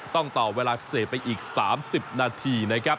ต้องต่อเวลาพิเศษไปอีก๓๐นาที